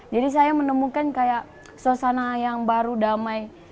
jadi saya menemukan kayak suasana yang baru damai